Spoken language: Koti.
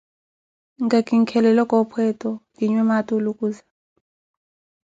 Nka kinkelele coopho eto, kinwe maati oolukuza.